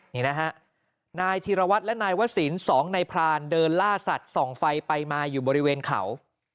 นี่นะฮะนายธีรวัตรและนายวศิลป์สองนายพรานเดินล่าสัตว์ส่องไฟไปมาอยู่บริเวณเขา